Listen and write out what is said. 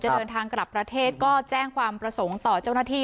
เดินทางกลับประเทศก็แจ้งความประสงค์ต่อเจ้าหน้าที่